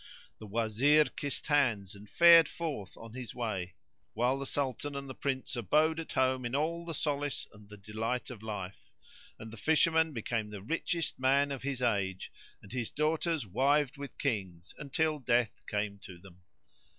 The Wazir kissed hands and fared forth on his way; while the Sultan and the Prince abode at home in all the solace and the delight of life; and the Fisherman became the richest man of his age, and his daughters wived with the Kings, until death came to them.